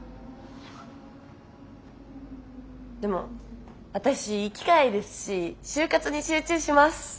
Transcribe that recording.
でも私いい機会ですし就活に集中します。